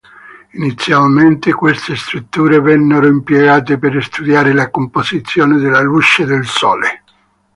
Inizialmente queste strutture vennero impiegate per studiare la composizione della luce del Sole.